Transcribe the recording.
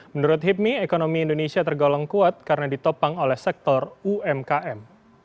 menurut hipmi ekonomi indonesia tergolong kuat karena ditopang oleh sektor umkm